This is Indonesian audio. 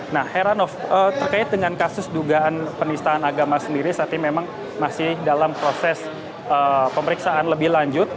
nah heranov terkait dengan kasus dugaan penistaan agama sendiri saat ini memang masih dalam proses pemeriksaan lebih lanjut